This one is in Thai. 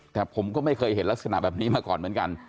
แต่ผมก็ไม่เคยเห็นลักษณะแบบนี้มาก่อนเหมือนกัน